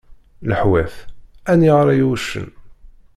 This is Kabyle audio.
Leḥwat: Aniγer ay uccen?